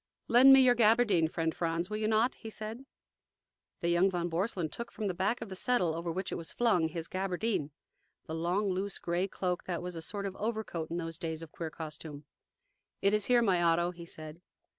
"Lend me your gabardine, friend Franz, will you not?" he said. The young von Borselen took from the back of the settle, over which it was flung, his gabardine the long, loose gray cloak that was a sort of overcoat in those days of queer costume. "It is here, my Otto," he said.